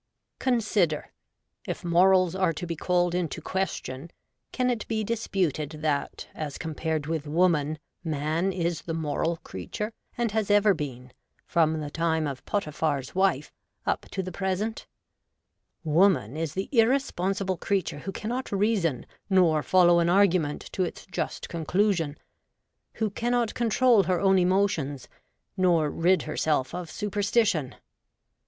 Consider ; If morals are to be called into ques PREFACE. xi tion^ can it be disputed that, as compared with Woman, Man is the moral creature, and has ever been, from, the time of Potiphars wife, up to the present f Woman is the irresponsible creature who cannot reason nor follow an argument to its just con clusion — who cannot control her own emotions, nor rid herself of superstition.